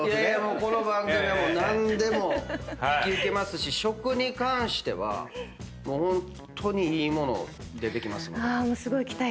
この番組は何でも引き受けますし食に関してはホントにいい物出てきますので。